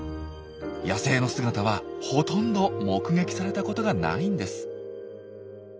野生の姿はほとんど目撃されたことがないんです。